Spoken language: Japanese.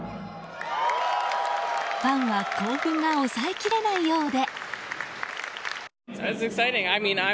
ファンは興奮が抑えきれないようで。